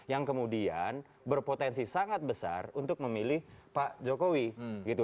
yang kemudian berpotensi sangat besar untuk memilih pak jokowi gitu